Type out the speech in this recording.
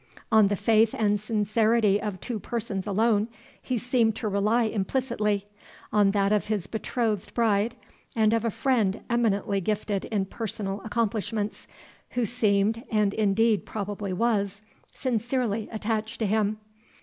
On the faith and sincerity of two persons alone, he seemed to rely implicitly on that of his betrothed bride, and of a friend eminently gifted in personal accomplishments, who seemed, and indeed probably was, sincerely attached to him.